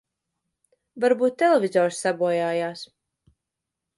Varbūt televizors sabojājās.